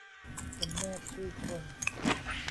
จำแนกชื่อคน